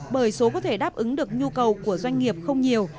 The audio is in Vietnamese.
bởi số có thể đáp ứng được nhu cầu của doanh nghiệp không nhiều